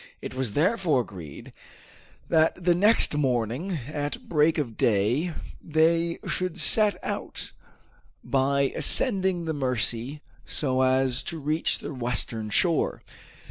It was therefore agreed that the next morning at break of day, they should set out, by ascending the Mercy so as to reach the western shore.